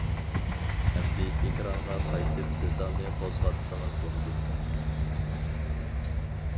ئەمدى ئېكرانغا قايتىپ دېتالنى قوزغاتسىڭىز بولىدۇ.